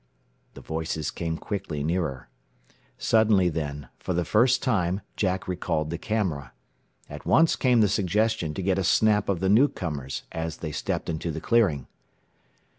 The voices came quickly nearer. Suddenly then, for the first time Jack recalled the camera. At once came the suggestion to get a snap of the newcomers as they stepped into the clearing.